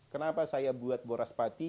kenapa saya buat boras pati